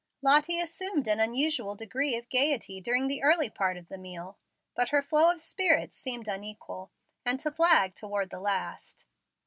Lottie assumed an unusual degree of gayety during the early part of the meal, but her flow of spirits seemed unequal, and to flag towards the last.